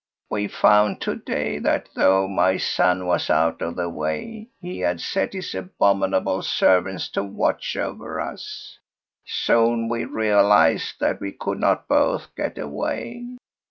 We found to day that though my son was out of the way, he had set his abominable servants to watch over us. Soon we realized that we could not both get away.